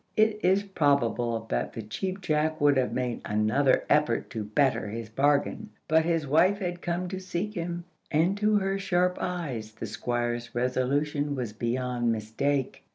It is probable that the Cheap Jack would have made another effort to better his bargain, but his wife had come to seek him, and to her sharp eyes the Squire's resolution was beyond mistake.